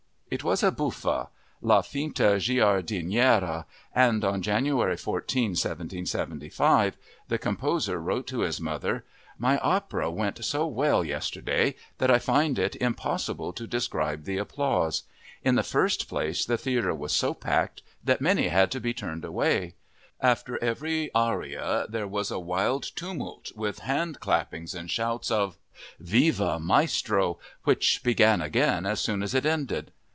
It was a buffa, La Finta giardiniera, and on January 14, 1775, the composer wrote to his mother: "My opera went so well yesterday that I find it impossible to describe the applause. In the first place the theatre was so packed that many had to be turned away; after every aria there was a wild tumult, with handclappings and shouts of 'Viva Maestro,' which began again as soon as it ended!"